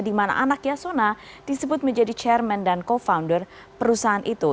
di mana anak yasona disebut menjadi chairman dan co founder perusahaan itu